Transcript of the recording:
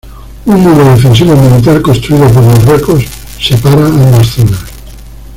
Un muro defensivo militar construido por Marruecos separa ambas zonas.